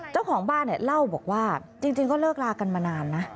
เจ้าของบ้านเนี่ยเล่าบอกว่าจริงก็เลิกลากันมานานนะ